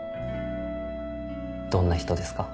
どんな人ですか？